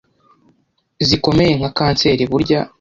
zikomeye nka kanseri burya